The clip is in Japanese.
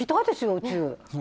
宇宙。